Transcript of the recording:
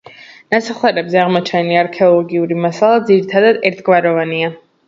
ნასახლარებზე აღმოჩენილი არქეოლოგიური მასალა ძირითადად ერთგვაროვანია.